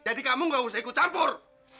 jadi kamu gak usah ikut campur